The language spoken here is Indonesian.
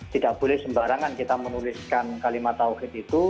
tidak boleh sembarangan kita menuliskan kalimat tawhid itu